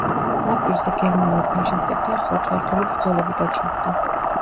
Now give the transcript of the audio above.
ნაპირზე გერმანელ ფაშისტებთან ხელჩართული ბრძოლები გაჩაღდა.